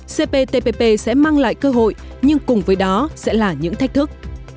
cptpp sẽ mang lại cơ hội nhưng cùng với đó sẽ là những thách thức